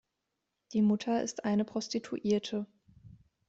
Die Mutter ist eine Prostituierte.